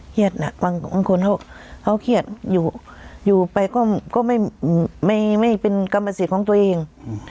เครียดหนักบางคนเค้าเครียดอยู่ไปก็ไม่เป็นกรรมสิทธิ์ของตัวเอง